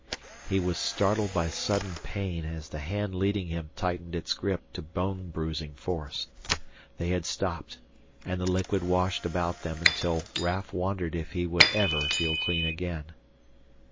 He was startled by sudden pain as the hand leading him tightened its grip to bone bruising force. They had stopped, and the liquid washed about them until Raf wondered if he would ever feel clean again.